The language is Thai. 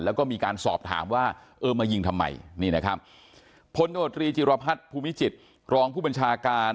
แล้วก็มีการสอบถามว่าเออมายิงทำไมนี่นะครับพลโนตรีจิรพัฒน์ภูมิจิตรองผู้บัญชาการ